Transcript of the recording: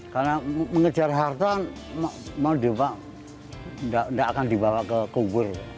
karena mengejar harta tidak akan dibawa ke kubur